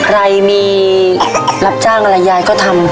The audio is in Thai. ใครมีรับจ้างอะไรยายก็ทำ